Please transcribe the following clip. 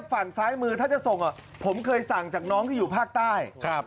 ฝั่งซ้ายมือถ้าจะส่งผมเคยสั่งจากน้องที่อยู่ภาคใต้